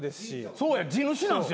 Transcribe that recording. そうや地主なんすよ